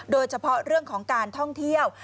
โดยเฉพาะเรื่องของการท่องเที่ยว